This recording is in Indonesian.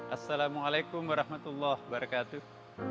assalamualaikum warahmatullahi wabarakatuh